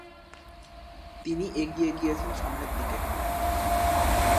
তিনি এগিয়ে গিয়েছেন সামনের দিকে।